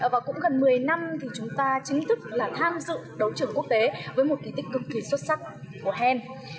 và cũng gần một mươi năm thì chúng ta chính thức là tham dự đấu trường quốc tế với một kỳ tích cực kỳ xuất sắc của hen